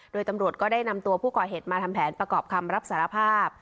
โดยตำรวจก็ได้นำตัวผู้ก่อเหตุมาทำแผนประกอบคำรับสารภาพ